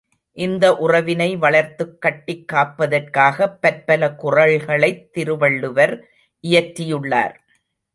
இந்த உறவினை வளர்த்துக் கட்டிக் காப்பதற்காகப் பற்பல குறள்களைத் திருவள்ளுவர் இயற்றியுள்ளார்.